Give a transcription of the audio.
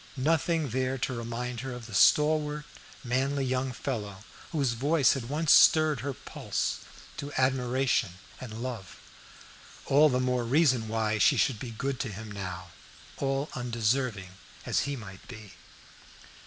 Nothing there to remind her of the stalwart, manly young fellow whose voice had once stirred her pulse to admiration and love. All the more reason why she should be good to him now, all undeserving as he might be.